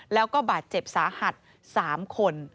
แล้วก็บาดเจ็บสาหัส๓คน